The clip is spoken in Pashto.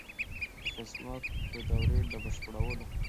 د خدمت د دورې له بشپړولو.